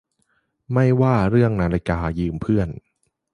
ไม่ว่าเรื่องนาฬิกายืมเพื่อน